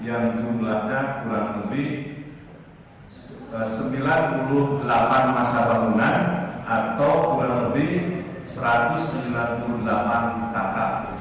yang jumlahnya kurang lebih sembilan puluh delapan masa bangunan atau kurang lebih satu ratus sembilan puluh delapan kakak